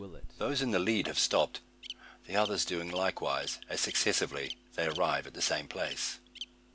Those in the lead have stopped; the others doing likewise, as, successively, they arrive at the same place.